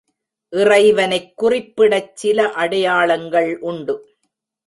இறைவனைக் குறிப்பிடச் சில அடையாளங்கள் உண்டு.